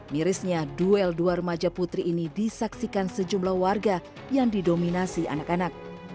mirisnya duel dua remaja putri ini disaksikan sejumlah warga yang didominasi anak anak